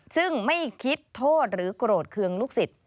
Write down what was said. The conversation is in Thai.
ซึ่งไม่คิดโทษหรือโกรธเคืองลูกศิษย์